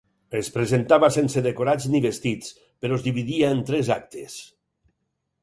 Es presentava sense decorats ni vestits, però es dividia en tres actes.